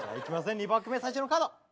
２パック目最初のカード。